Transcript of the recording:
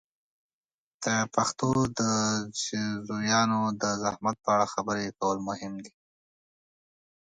د پښتو د زویانو د زحمت په اړه خبرې کول مهم دي.